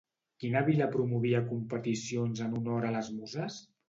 Quina vila promovia competicions en honor a les Muses?